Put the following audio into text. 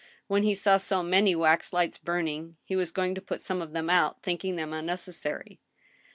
When he saw so many wax lights burning he was going to put some of theni out, thinking them unnecessary.